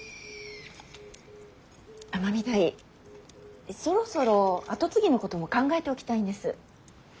尼御台そろそろ跡継ぎのことも考えておきたいんです。